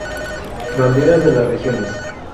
Banderas de las regiones.